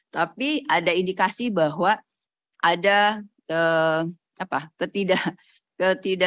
tapi ada indikasi bahwa ada ketidak